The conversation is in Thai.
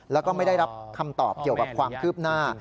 แล้วก็ไม่ได้รับคำตอบเกี่ยวกับความคืบหน้า